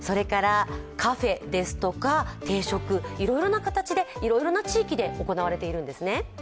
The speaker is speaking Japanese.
カフェですとか、定食いろいろな形でいろいろな地域で行われているんですね。